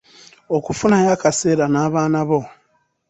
Okufunayo akaseera n’abaanabo.